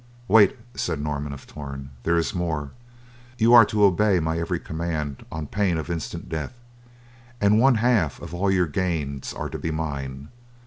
"Wait," said Norman of Torn, "there is more. You are to obey my every command on pain of instant death, and one half of all your gains are to be mine.